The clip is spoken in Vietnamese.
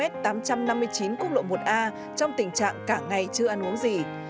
một a trong tình trạng cả ngày chưa ăn uống gì